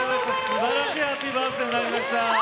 すばらしいハッピーバースデーになりました。